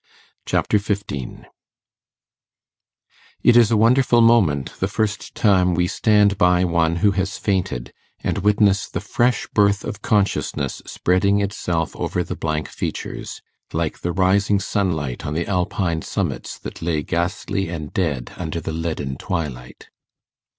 Chapter 15 It is a wonderful moment, the first time we stand by one who has fainted, and witness the fresh birth of consciousness spreading itself over the blank features, like the rising sunlight on the alpine summits that lay ghastly and dead under the leaden twilight.